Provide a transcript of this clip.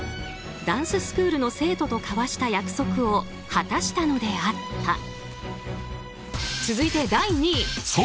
ダンススクールの生徒と交わした約束を果たしたのであった。